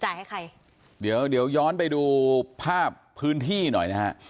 ให้ใครเดี๋ยวเดี๋ยวย้อนไปดูภาพพื้นที่หน่อยนะฮะ